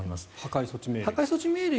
破壊措置命令。